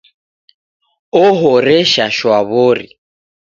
O'horesha shwa wori